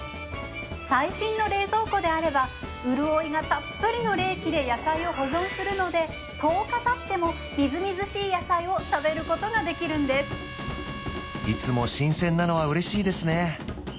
最新の冷蔵庫であれば潤いがたっぷりの冷気で野菜を保存するので１０日たってもみずみずしい野菜を食べることができるんですいつも新鮮なのは嬉しいですね